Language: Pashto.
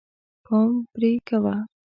پام پرې کوه.